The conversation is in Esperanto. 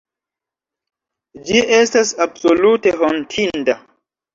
Ĝi estas absolute hontinda.